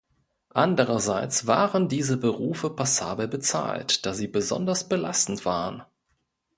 Anderseits waren diese Berufe passabel bezahlt, da sie besonders belastend waren.